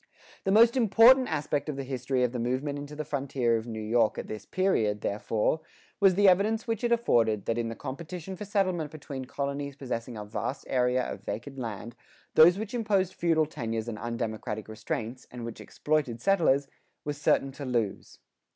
[82:2] The most important aspect of the history of the movement into the frontier of New York at this period, therefore, was the evidence which it afforded that in the competition for settlement between colonies possessing a vast area of vacant land, those which imposed feudal tenures and undemocratic restraints, and which exploited settlers, were certain to lose.